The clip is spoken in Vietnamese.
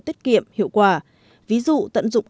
tiết kiệm hiệu quả ví dụ tận dụng